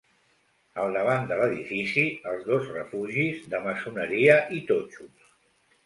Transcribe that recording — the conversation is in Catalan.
Al davant de l'edifici els dos refugis, de maçoneria i totxos.